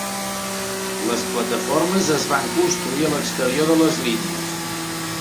Les plataformes es van construir a l'exterior de les línies.